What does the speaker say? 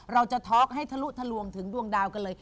เราจะทอล์คให้ทรุมถึงดวงดาวกันเลย